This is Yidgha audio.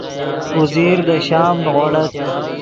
اوزیر دے شام نیغوڑت